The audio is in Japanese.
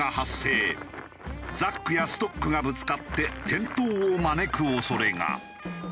ザックやストックがぶつかって転倒を招く恐れが。